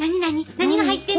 何が入ってんの？